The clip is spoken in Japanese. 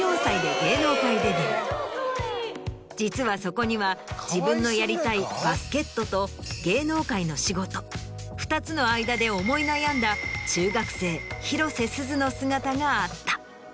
実はそこには自分のやりたいバスケットと芸能界の仕事２つの間で思い悩んだ中学生広瀬すずの姿があった。